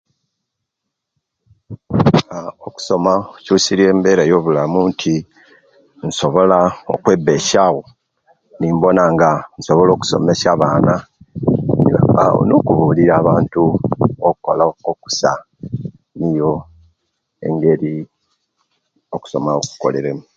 Aah okusoma kukyusiriye embera yobulamu nti nsobola okwebesya wo nimpona nga nsobola okusomesya abaana nokubulira abantu okola okusa niyo engeri okusoma owekukolere mu